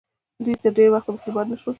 دوی تر ډېره وخته مسلمانان نه شول.